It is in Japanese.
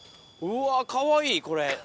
うわかわいいこれ。